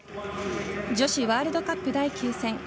女子ワールドカップ第９戦